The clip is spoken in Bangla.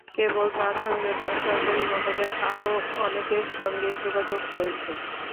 কেবল তাঁর সঙ্গে নয়, সরকারি মহলে আরও অনেকের সঙ্গেই যোগাযোগ হয়েছে।